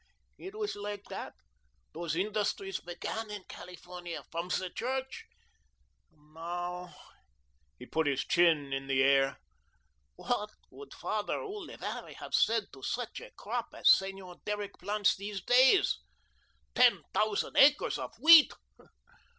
It was like that, those industries began in California from the Church; and now," he put his chin in the air, "what would Father Ullivari have said to such a crop as Senor Derrick plants these days? Ten thousand acres of wheat!